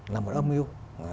là một âm mưu